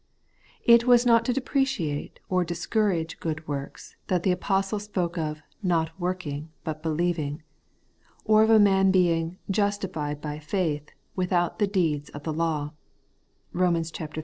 It was not to depreciate or discourage good works that the apostle spoke of 'not working, but believing;* or of a man being 'justified by faith, vnthout the deeds of the law ' (Eom.